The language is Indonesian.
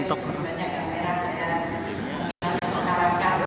untuk mengambil kesempatan